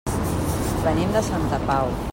Venim de Santa Pau.